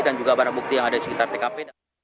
dan juga barang bukti yang ada di sekitar pkp